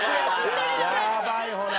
やばいほら。